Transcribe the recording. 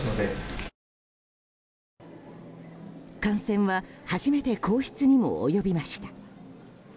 感染は初めて皇室にも及びました。